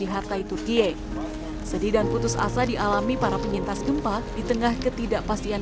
di hatay turkiye sedih dan putus asa dialami para penyintas gempa di tengah ketidakpastian